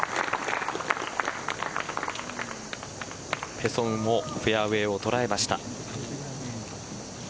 ペ・ソンウもフェアウエーを捉えました。